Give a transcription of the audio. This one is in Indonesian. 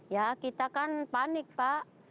ya kita kan panik pak